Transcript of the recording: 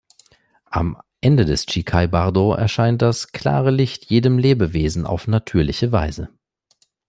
Am Ende des "Tschikhai-Bardo" erscheint das "Klare Licht" jedem Lebewesen auf natürliche Weise.